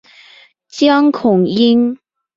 江孔殷。